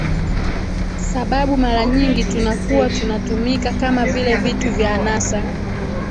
sababu mara nyingi tunakuwa tunatumika kama vile vitu vya anasa